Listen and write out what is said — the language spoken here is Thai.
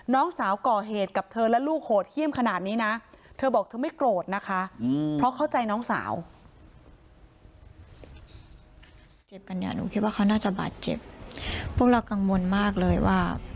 น้องสาวก่อเหตุกับเธอและลูกโหดเยี่ยมขนาดนี้นะเธอบอกเธอไม่โกรธนะคะเพราะเข้าใจน้องสาว